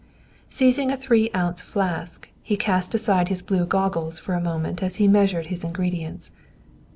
Seizing a three ounce flask, he cast aside his blue goggles for a moment as he measured his ingredients.